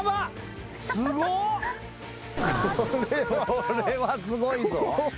これはすごいぞ。